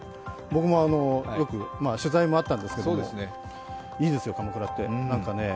僕も、取材もあったんですけど、いいですよ、鎌倉って。